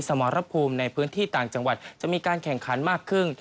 สมรภูมิในพื้นที่ต่างจังหวัดจะมีการแข่งขันมากขึ้น